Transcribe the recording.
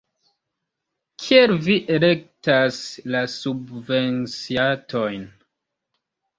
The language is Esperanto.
Kiel vi elektas la subvenciatojn?